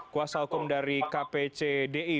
kuasa hukum dari kpcdi